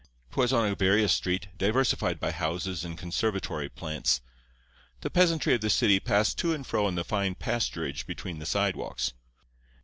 'Twas on a various street, diversified by houses and conservatory plants. The peasantry of the city passed to and fro on the fine pasturage between the sidewalks.